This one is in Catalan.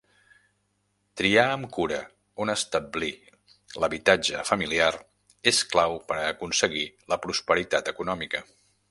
Triar amb cura on establir l'habitatge familiar és clau per a aconseguir la prosperitat econòmica.